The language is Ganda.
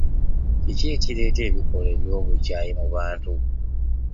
Ki ekireeta ebikolwa by'obukyayi mu bantu?